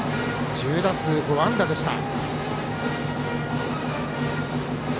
１０打数５安打でした。